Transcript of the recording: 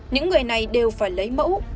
những người này đều phải lấy mẫu